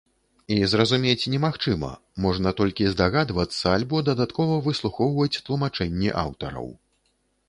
І зразумець немагчыма, можна толькі здагадвацца альбо дадаткова выслухоўваць тлумачэнні аўтараў.